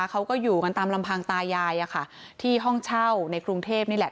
เขาก็อยู่กันตามลำพังตายายที่ห้องเช่าในกรุงเทพนี่แหละ